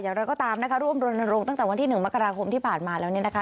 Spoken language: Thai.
เราก็ตามนะคะร่วมรณรงค์ตั้งแต่วันที่๑มกราคมที่ผ่านมาแล้วเนี่ยนะคะ